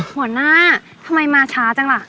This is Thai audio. หัวหน้าทำไมมาช้าจังล่ะ